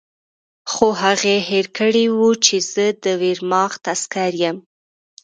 خو هغې هېر کړي وو چې زه د ویرماخت عسکر یم